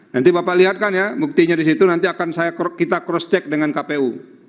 nanti bapak lihatkan ya buktinya disitu nanti akan kita cross check dengan kpu